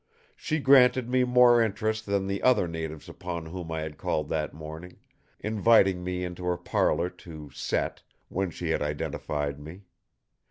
She granted me more interest than the other natives upon whom I had called that morning; inviting me into her parlor to "set," when she had identified me.